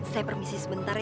saya permisi sebentar ya